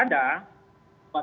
di undang undang pemda